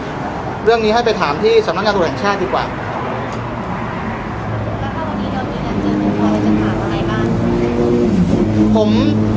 พี่แจงในประเด็นที่เกี่ยวข้องกับความผิดที่ถูกเกาหา